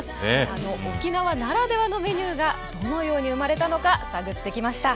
あの沖縄ならではのメニューがどのように生まれたのか探ってきました。